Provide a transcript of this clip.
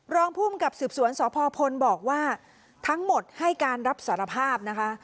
รองภูมิกับสืบสวนสพพลบอกว่าทั้งหมดให้การรับสารภาพนะคะ